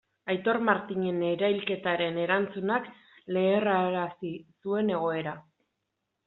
Aitor Martinen erailketaren erantzunak leherrarazi zuen egoera.